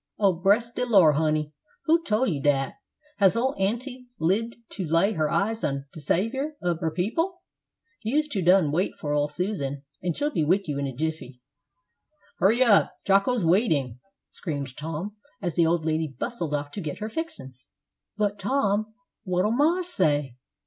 "Oh, bress de Lor', honey, who tole you dat? Has ole aunty libbed to lay her eyes on de savior ob her people? Yous two dun wait for ole Aunt Susan, and she'll be wid you in a jiffy." "Hurry up! Jocko's waiting," screamed Tom, as the old lady bustled off to get her "fixin's." "But, Tom, what'll ma say?